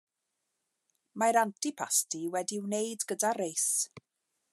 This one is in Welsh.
Mae'r antipasti wedi'i wneud gyda reis.